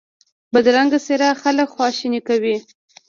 بدرنګه څېره خلک خواشیني کوي